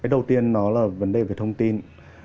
đầu tiên là vấn đề về thông tin